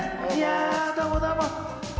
どうも、どうも。